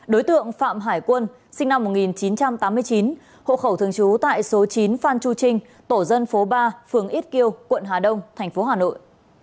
đối tượng phạm hải quân sinh năm một nghìn chín trăm tám mươi chín hộ khẩu thường trú tại số chín phan chu trinh tổ dân phố ba phường ít kiêu quận hà đông tp hà nội